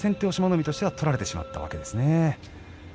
海としては取られてしまったわけですね。